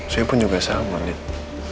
saya pun juga sama lihat